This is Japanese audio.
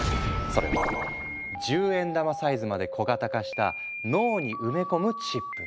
それは１０円玉サイズまで小型化した脳に埋め込むチップ。